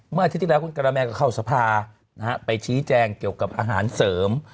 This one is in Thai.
อาทิตย์ที่แล้วคุณกรแมนก็เข้าสภานะฮะไปชี้แจงเกี่ยวกับอาหารเสริม